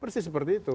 persis seperti itu